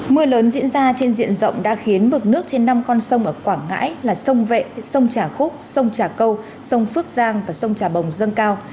mưa lớn diễn ra trên diện rộng đã khiến mực nước trên năm con sông ở quảng ngãi là sông vệ sông trà khúc sông trà câu sông phước giang và sông trà bồng dâng cao